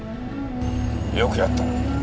よくやった。